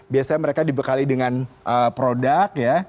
biasanya mereka dibekali dengan produk ya